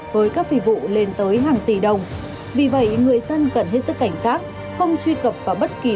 với các phí vụ lên tới hàng tỷ đồng vì vậy người dân cần hết sức cảnh giác không truy cập vào bất kỳ